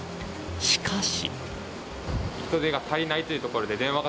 しかし。